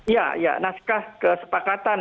ya ya naskah kesepakatan